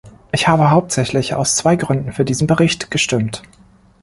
Ich habe hauptsächlich aus zwei Gründen für diesen Bericht gestimmt.